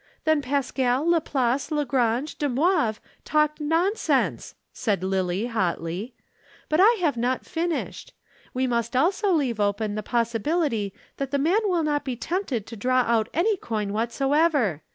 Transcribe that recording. "Then Pascal, Laplace, Lagrange, De Moivre talked nonsense," said Lillie hotly; "but I have not finished. We must also leave open the possibility that the man will not be tempted to draw out any coin whatsoever.